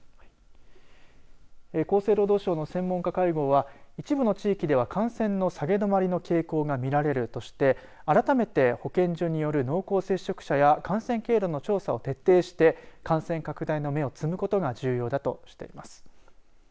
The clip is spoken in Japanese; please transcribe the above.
厚生労働省の専門家会合は一部の地域では感染の下げ止まりの傾向が見られるとして改めて保健所による濃厚接触者や感染経路の調査を徹底して感染拡大の芽を摘むことが重要だとしています。